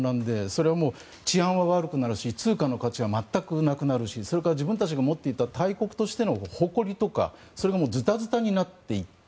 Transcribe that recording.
それはもう、治安は悪くなるし通貨の価値は全くなくなるしそれから自分たちが持っていた大国しての誇りとか、それがズタズタになっていって。